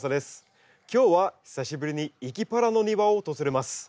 今日は久しぶりに「いきパラ」の庭を訪れます。